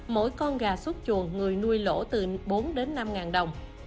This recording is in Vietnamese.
mỗi con gà xuất chuồng người nuôi lỗ từ bốn đến năm ngàn đồng